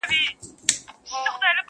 نوي هم ښه دي خو زه وامقاسم یاره,